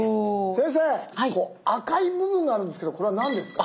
先生赤い部分があるんですけどこれは何ですか？